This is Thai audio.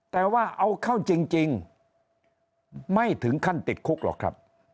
แต่ว่าเอาเข้าจริงไม่ถึงขั้นติดคุกหรอกครับ